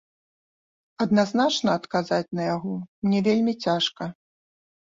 Адназначна адказаць на яго мне вельмі цяжка.